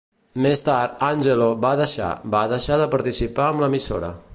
Més tard, Angelo va deixar va deixar de participar amb l'emissora.